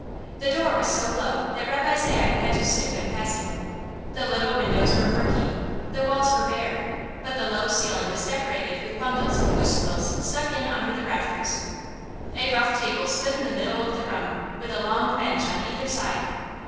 The door was so low that Reb' Isaiah had to stoop in passing. The little windows were murky. The walls were bare, but the low ceiling was decorated with bundles of goose quills stuck in under the rafters. A rough table stood in the middle of the room, with a long bench on either side.